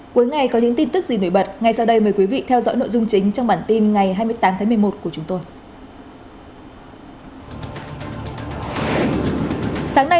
cuối ngày có những tin tức gì nổi bật ngay sau đây mời quý vị theo dõi nội dung chính trong bản tin ngày hai mươi tám tháng một mươi một của chúng tôi